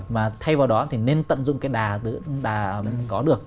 mà thay vào đó thì nên tận dụng cái đà có được